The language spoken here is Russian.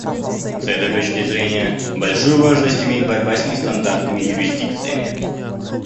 С этой точки зрения, большую важность имеет борьба с нестандартными юрисдикциями.